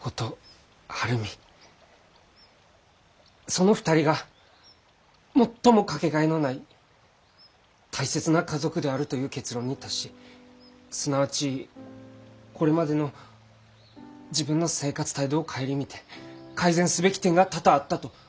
その２人が最も掛けがえのない大切な家族であるという結論に達しすなわちこれまでの自分の生活態度を顧みて改善すべき点が多々あったと。